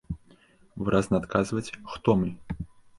Выразна адказваць, хто мы?